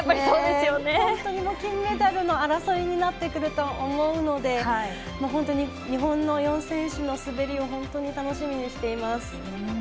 本当に金メダルの争いになってくると思うので本当に日本の４選手の滑りを楽しみにしています。